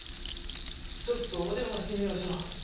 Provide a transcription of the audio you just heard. ちょつとお電話してみましょ。